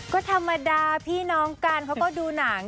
ก็ธรรมดาพี่น้องกันเขาก็ดูหนัง